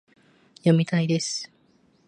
読みたいです